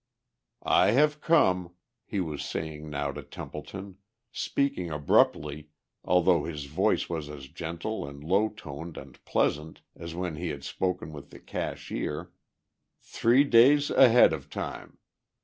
"I have come," he was saying now to Templeton, speaking abruptly although his voice was as gentle and low toned and pleasant as when he had spoken with the cashier, "three days ahead of time.